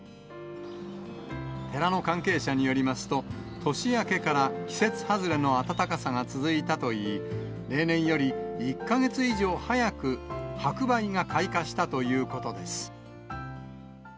寺の関係者によりますと、年明けから季節外れの暖かさが続いたといい、例年より１か月以上早く、白梅が開花したということです。